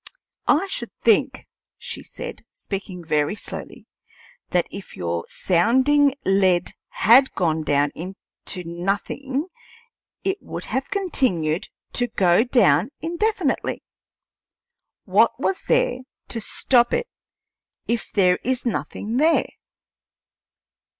"I should think," said she, speaking very slowly, "that if your sounding lead had gone down into nothing, it would have continued to go down indefinitely. What was there to stop it if there is nothing there?"